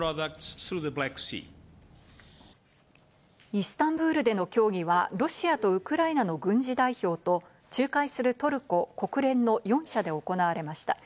イスタンブールでの協議はロシアとウクライナの軍事代表と、仲介するトルコ、国連の４者で行われました。